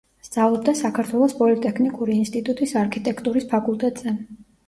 სწავლობდა საქართველოს პოლიტექნიკური ინსტიტუტის არქიტექტურის ფაკულტეტზე.